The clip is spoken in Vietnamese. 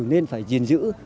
nên phải giền giữ